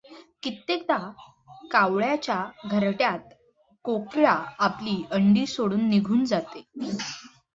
कित्येकदा कावळ्याच्या घरट्यात कोकिळा आपली अंडी सोडून निघून जाते.